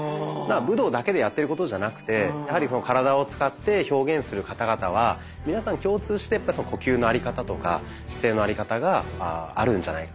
武道だけでやってることじゃなくてやはり体を使って表現する方々は皆さん共通して呼吸のあり方とか姿勢のあり方があるんじゃないか。